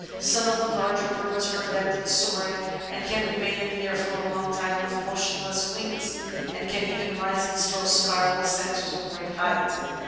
Some of the larger birds are adepts at soaring, and can re main in the air for a long time with motionless wings, and can even rise in slow spiral ascent to a great height.